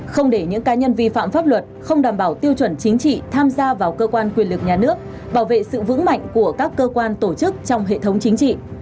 không để những cá nhân vi phạm pháp luật không đảm bảo tiêu chuẩn chính trị tham gia vào cơ quan quyền lực nhà nước bảo vệ sự vững mạnh của các cơ quan tổ chức trong hệ thống chính trị